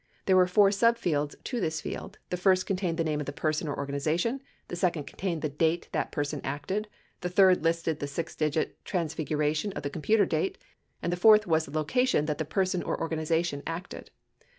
There were four subfields to this field: the first, con tained the name of the person or organization ; the second contained the date that person acted ; the third listed the six digit transfiguration of the computer date; and the fourth was the location that the person or organization acted.